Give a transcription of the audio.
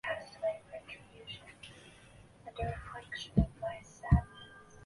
波普拉德是位于斯洛伐克北部的一个城市。